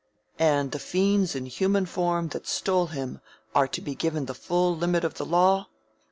"And the fiends in human form that stole him are to be given the full limit of the law?"